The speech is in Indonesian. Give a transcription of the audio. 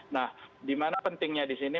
nah di mana pentingnya di sini